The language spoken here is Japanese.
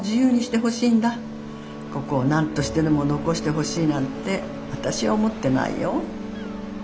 ここをなんとしてでも残してほしいなんてわたしは思ってないよ。